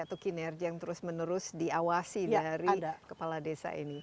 atau kinerja yang terus menerus diawasi dari kepala desa ini